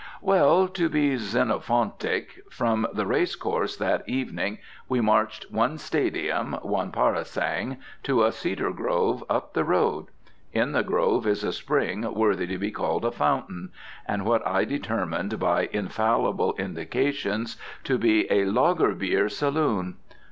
Well, to be Xenophontic, from the Race Course that evening we marched one stadium, one parasang, to a cedar grove up the road. In the grove is a spring worthy to be called a fountain, and what I determined by infallible indications to be a lager bier saloon.